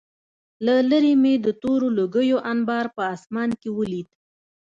له لېرې مې د تورو لوګیو انبار په آسمان کې ولید